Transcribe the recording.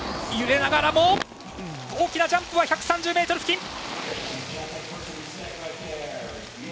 揺れながらも、大きなジャンプは１３０ｍ付近。